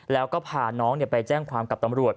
แล้วก็พาน้องไปแจ้งความกับตำรวจ